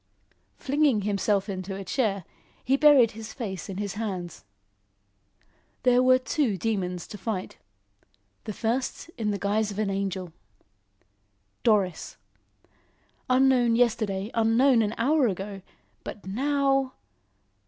Flinging himself into a chair, he buried his face in his hands. There were two demons to fight the first in the guise of an angel. Doris! Unknown yesterday, unknown an hour ago; but now!